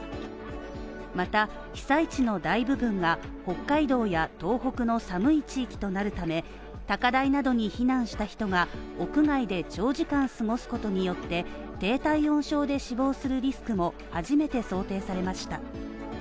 また、被災地の大部分が、北海道や東北の寒い地域となるため高台などに避難した人が屋外で長時間過ごすことによって低体温症で死亡するリスクも初めて想定されました。